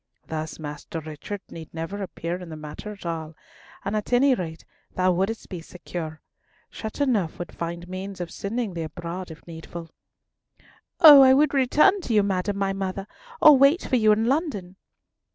Thus, Master Richard need never appear in the matter at all, and at any rate thou wouldst be secure. Chateauneuf would find means of sending thee abroad if needful." "Oh! I would return to you, madam my mother, or wait for you in London."